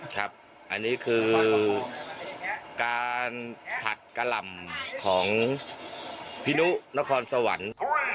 ครับอันนี้คือการผัดกะหล่ำของพี่นุนครสวรรค์